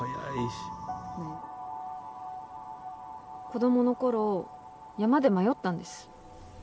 子供の頃山で迷ったんです。